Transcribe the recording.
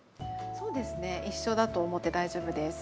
そうですね一緒だと思って大丈夫です。